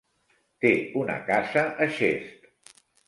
Té una casa a Xest.